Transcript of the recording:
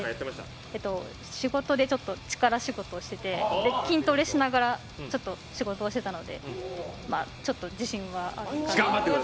仕事でちょっと力仕事をしていて筋トレしながら仕事をしていたのでちょっと自信はあるかなと。